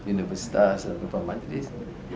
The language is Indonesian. universitas dan beberapa majlis